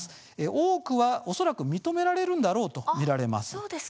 多くは恐らく認められるんだろうと見られます。